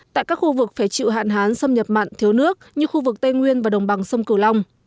tại các khu vực phải chịu hạn hán xâm nhập mặn thiếu nước như khu vực tây nguyên và đồng bằng sông cửu long